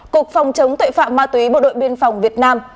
cục phòng chống tội phạm ma túy bộ đội biên phòng việt nam